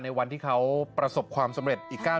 ใช่เพียงแต่ว่าแม่ไปสารฝันเขาต่อ